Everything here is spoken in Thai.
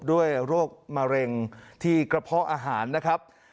โรคมะเร็งที่กระเพาะอาหารนะครับ